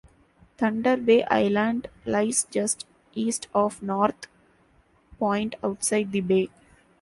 Thunder Bay Island lies just east of North Point outside the bay.